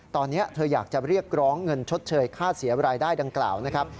ตอนนี้เธออยากจะเรียกร้องเงินชดเชยค่าเสียรายได้ดังกล่าวนะครับ